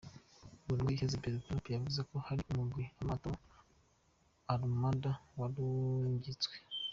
Mu ndwi iheze Prezida Trump yavuze ko hari umugwi w'amato "armada" warungitswe.